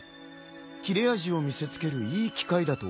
切れ味を見せつけるいい機会だと思わない？